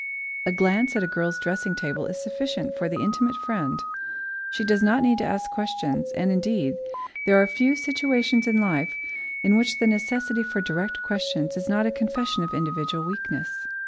A glance at a girl's dressing table is sufficient for the intimate friend she does not need to ask questions; and indeed, there are few situations in life in which the necessity for direct questions is not a confession of individual weakness.